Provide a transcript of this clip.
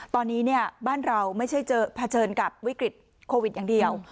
ตอนนี้บ้านเราไม่ใช่จะเผชิญกับวิกฤตโควิดอย่างเดียว